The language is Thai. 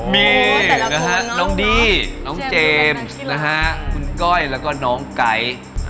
มีน้องดี้น้องเจมส์คุณก้อยแล้วก็น้องไก่